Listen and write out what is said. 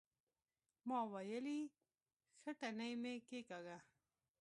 ما ويلې ښه تڼۍ مې کېکاږله.